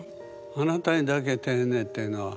あなたにだけ丁寧っていうのは。